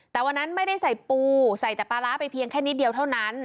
แต่วันนั้นไม่ได้ใส่ปูใส่แต่ปลาร้าไปเพียงแค่นิดเดียวเท่านั้น